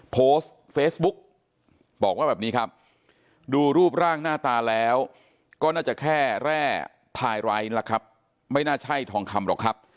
โพสต์เฟซบุ๊กบอกว่าแบบนี้ครับดูรูปร่างหน้าตาแล้วก็น่าจะแค่แร่ไทท์ล่ะครับไม่น่าใช่ทองคำหรอกครับ